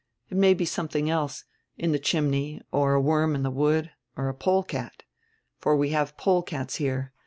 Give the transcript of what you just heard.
It may be sonredring else, in tire chimney, or a wornr in tire wood, or a polecat. For we have polecats here.